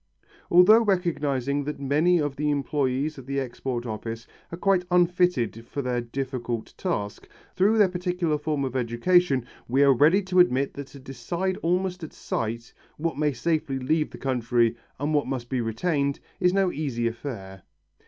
Although recognizing that many of the employés of the Export Office are quite unfitted for their difficult task, through their particular form of education, we are ready to admit that to decide almost at sight, what may safely leave the country and what must be retained, is no easy affair.